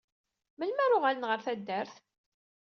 Melmi ara uɣalen ɣer taddart?